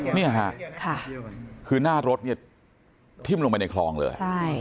นี่ค่ะค่ะคือหน้ารถทิ้มลงไปในครองเลย